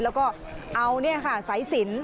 แล้วก็เอานี่ค่ะสายสิน